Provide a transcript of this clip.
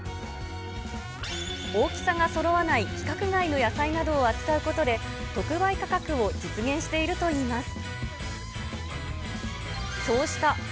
大きさがそろわない規格外の野菜などを扱うことで、特売価格を実現しているといいます。